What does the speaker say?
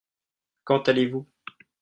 Quand allez-vous ?